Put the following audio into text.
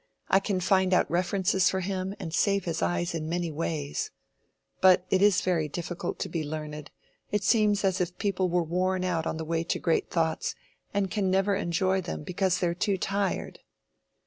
I can find out references for him and save his eyes in many ways. But it is very difficult to be learned; it seems as if people were worn out on the way to great thoughts, and can never enjoy them because they are too tired."